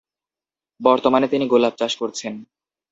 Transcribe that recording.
বর্তমানে তিনি গোলাপ চাষ করছেন।